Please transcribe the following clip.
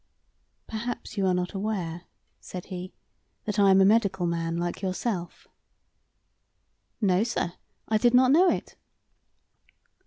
"Perhaps you are not aware," said he, "that I am a medical man like yourself?" "No, sir, I did not know it."